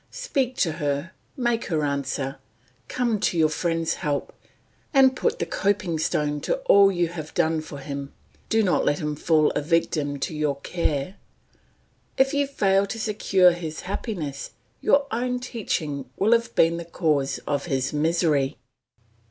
Speak to her, make her answer. Come to your friend's help, and put the coping stone to all you have done for him; do not let him fall a victim to your care! If you fail to secure his happiness, your own teaching will have been the cause of his misery."